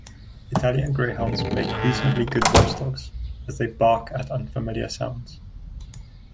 Italian Greyhounds make reasonably good watchdogs, as they bark at unfamiliar sounds.